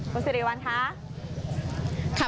คุณสิริวัลคะ